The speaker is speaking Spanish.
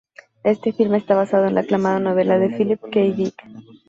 Este filme está basado en la aclamada novela de Philip K. Dick.